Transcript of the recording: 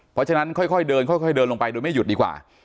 เพราะฉะนั้นค่อยเดินลงไปโดยไม่หยุดดีกว่า